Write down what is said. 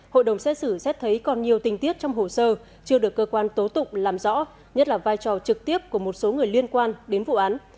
hội đồng xét xử xét thấy còn nhiều tình tiết trong hồ sơ chưa được cơ quan tố tụng làm rõ nhất là vai trò trực tiếp của một số người liên quan đến vụ án